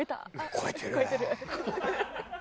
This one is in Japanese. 超えてる！